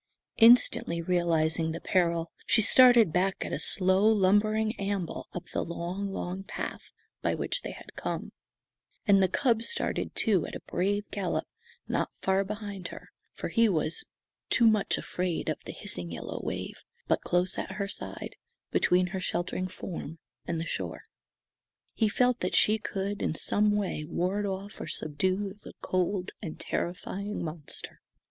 Instantly realizing the peril, she started back at a slow, lumbering amble up the long, long path by which they had come; and the cub started too at a brave gallop not behind her, for he was too much afraid of the hissing yellow wave, but close at her side, between her sheltering form and the shore. He felt that she could in some way ward off or subdue the cold and terrifying monster.